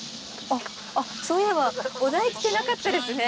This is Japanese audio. あそういえばお題来てなかったですね。